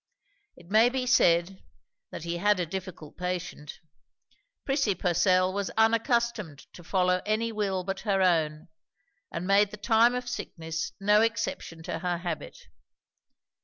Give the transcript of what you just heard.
It may be said, that he had a difficult patient. Prissy Purcell was unaccustomed to follow any will but her own, and made the time of sickness no exception to her habit.